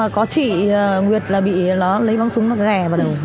có chị nguyệt là bị nó lấy bóng súng nó ghè vào đầu